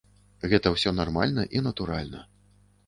Гэта ўсё нармальна і натуральна.